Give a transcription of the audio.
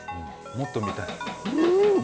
もっと見たい。